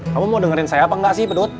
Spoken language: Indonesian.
kamu mau dengerin saya apa enggak sih pedut